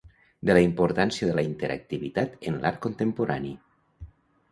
De la importància de la interactivitat en l'art contemporani.